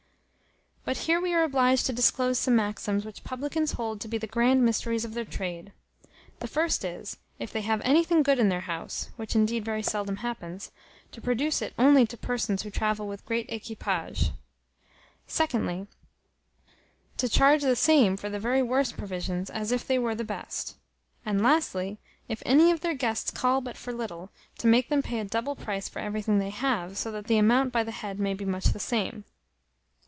But here we are obliged to disclose some maxims, which publicans hold to be the grand mysteries of their trade. The first is, If they have anything good in their house (which indeed very seldom happens) to produce it only to persons who travel with great equipages. 2dly, To charge the same for the very worst provisions, as if they were the best. And lastly, If any of their guests call but for little, to make them pay a double price for everything they have; so that the amount by the head may be much the same.